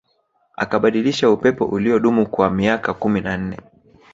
Akabadilisha upepo uliodumu kwa miaka kumi na nne